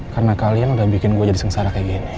karena kalian udah bikin gue jadi sengsara kayak gini